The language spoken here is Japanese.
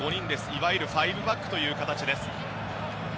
いわゆる５バックという形。